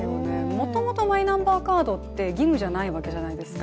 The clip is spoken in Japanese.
もともとマイナカードって義務じゃないわけじゃないですか。